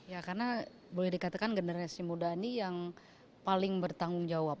ya karena boleh dikatakan generasi muda ini yang paling bertanggung jawab